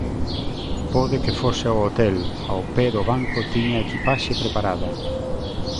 Pode que fose ao hotel, ao pé do banco tiña a equipaxe preparada.